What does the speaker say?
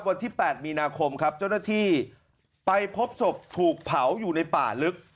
วันที่๘มีนาคมครับเจ้าหน้าที่ไปพบศพถูกเผาอยู่ในป่าลึก